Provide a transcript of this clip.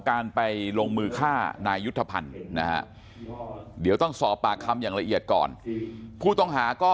การไปลงมือฆ่านายยุทธภัณฑ์นะฮะเดี๋ยวต้องสอบปากคำอย่างละเอียดก่อนผู้ต้องหาก็